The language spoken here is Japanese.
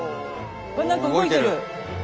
わっ何か動いてる。